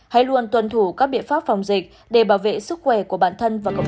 hãy luôn tuân thủ các biện pháp phòng dịch để bảo vệ sức khỏe của bản thân và cộng đồng